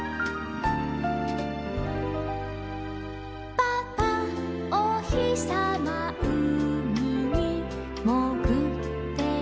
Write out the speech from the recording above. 「パパおひさまうみにもぐっていくよ」